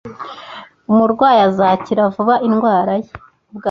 Umurwayi azakira vuba indwara ye